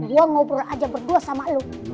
dia ngobrol aja berdua sama lo